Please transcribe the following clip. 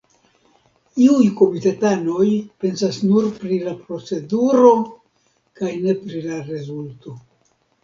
Iuj komitatanoj pensas nur pri la proceduro kaj ne pri la rezulto.